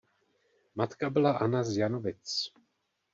Matka byla Anna z Janovic.